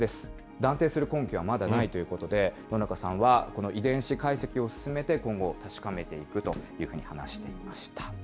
断定する根拠はまだないということで、野中さんはこの遺伝子解析を進めて、今後、確かめていくというふうに話していました。